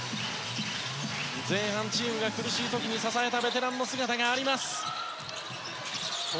前半、チームが苦しい時に支えたベテランの姿があります。